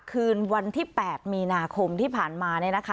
คืนวันที่๘มีนาคมที่ผ่านมา